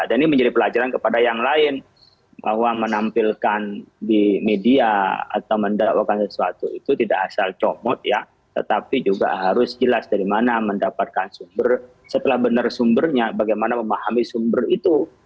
dan ini menjadi pelajaran kepada yang lain bahwa menampilkan di media atau mendapatkan sesuatu itu tidak asal comot ya tetapi juga harus jelas dari mana mendapatkan sumber setelah benar sumbernya bagaimana memahami sumber itu